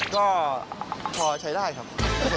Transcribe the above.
ก็พอใช้ได้ครับ